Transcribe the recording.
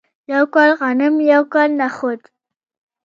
یو کال غنم یو کال نخود.